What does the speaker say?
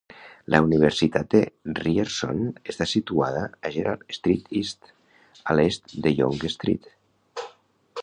La Universitat de Ryerson està situada a Gerrard Street East, a l'est de Yonge Street.